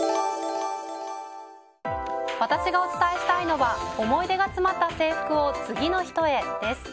私がお伝えしたいのは思い出が詰まった制服を次の人へです。